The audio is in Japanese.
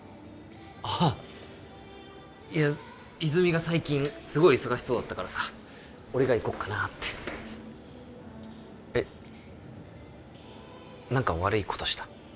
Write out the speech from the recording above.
ああいや泉が最近すごい忙しそうだったからさ俺が行こっかなってえっ何か悪いことした？